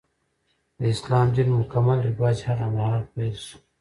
د اسلام دین مکمل رواج هغه مهال پیل شو.